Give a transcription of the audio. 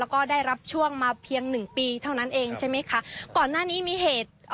แล้วก็ได้รับช่วงมาเพียงหนึ่งปีเท่านั้นเองใช่ไหมคะก่อนหน้านี้มีเหตุเอ่อ